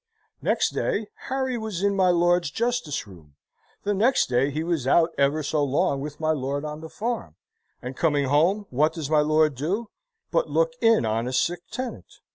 Next day, Harry was in my lord's justice room: the next day he was out ever so long with my lord on the farm and coming home, what does my lord do, but look in on a sick tenant?